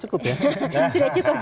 sudah cukup ya